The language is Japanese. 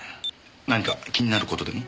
何か気になる事でも？